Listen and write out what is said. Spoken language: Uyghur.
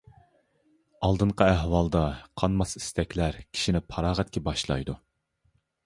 ئالدىنقى ئەھۋالدا قانماس ئىستەكلەر كىشىنى پاراغەتكە باشلايدۇ.